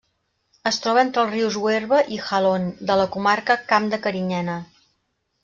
Es troba entre els rius Huerva i Jalón, de la comarca Camp de Carinyena.